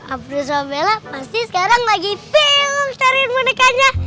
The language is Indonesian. abduz dan bella pasti sekarang lagi bingung cariin bonekanya